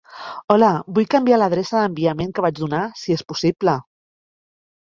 Hola, vull canviar l'adreça d'enviament que vaig donar si és possible.